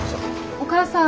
お母さん。